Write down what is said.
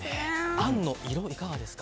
あんの色、いかがですか？